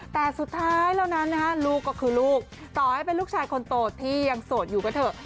แต่สุดท้ายแล้วนั้นนะฮะลูกก็คือลูกต่อให้เป็นลูกชายคนโตที่ยังโสดอยู่ก็เถอะ